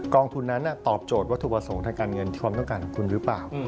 องทุนนั้นตอบโจทย์วัตถุประสงค์ทางการเงินที่ความต้องการของคุณหรือเปล่า